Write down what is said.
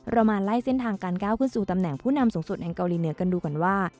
เรามาไล่เส้นทางการก้าวขึ้นสู่ตำแหน่งผู้นำสูงสุดแห่งเกาหลีเหนือกันดูก่อนว่า